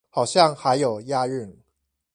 好像還有押韻